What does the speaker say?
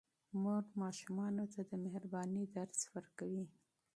مور ماشومانو ته د مهربانۍ درس ورکوي.